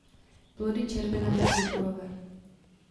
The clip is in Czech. Plody červenavě purpurové.